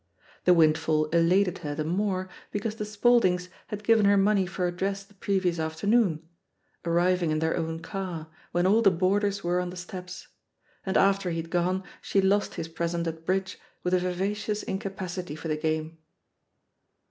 The windfall elated her the more because the Spauldings had given her money for a dress the previous afternoon — arriving in their own car^ when all the boarders were on the steps ; and after he had gone she lost his present at bridge with a vivacious incapacity for the game.